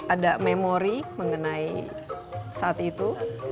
ada memori mengenai saat itu